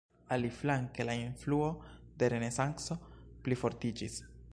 Aliaflanke la influo de renesanco plifortiĝis.